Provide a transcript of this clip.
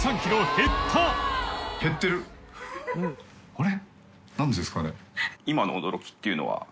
あれ？